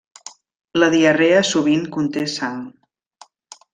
La diarrea sovint conté sang.